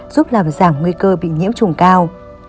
giúp làm giảm nguy cơ bị nhiễm trùng cao